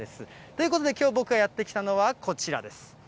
ということできょう、僕がやって来たのはこちらです。